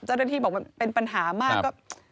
เจ้าหน้าที่บอกมันเป็นปัญหามากก็